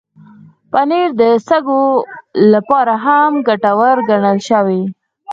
پنېر د سږو لپاره هم ګټور ګڼل شوی.